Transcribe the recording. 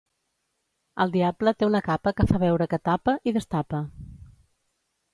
El diable té una capa que fa veure que tapa, i destapa.